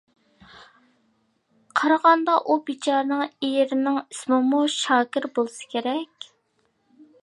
قارىغاندا، ئۇ بىچارىنىڭ ئېرىنىڭ ئىسمىمۇ شاكىر بولسا كېرەك.